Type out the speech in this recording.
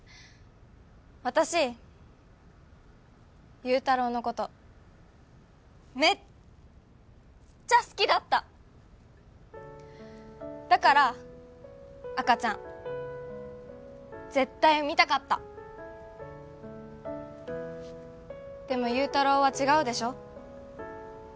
私祐太郎のことめっちゃ好きだっただから赤ちゃん絶対産みたかったでも祐太郎は違うでしょ